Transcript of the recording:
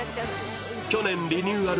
去年リニューアル